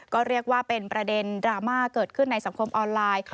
ก็เรียกว่าเป็นประเด็นดราม่าเกิดขึ้นในสังคมออนไลน์